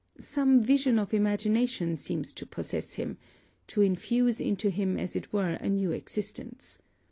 Some vision of imagination seems to possess him, to infuse into him as it were a new existence.